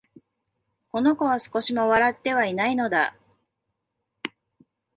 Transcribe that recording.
この子は、少しも笑ってはいないのだ